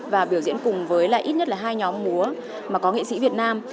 và biểu diễn cùng với lại ít nhất là hai nhóm múa mà có nghệ sĩ việt nam